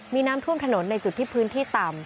มีน้ำท่วมถนนในจุดที่พื้นที่ต่ำ